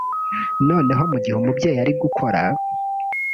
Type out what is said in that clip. noneho mu gihe umubyeyi ari gukora